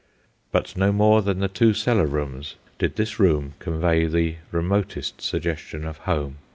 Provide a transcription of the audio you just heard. But no more than the two cellar rooms did this room convey the remotest suggestion of home.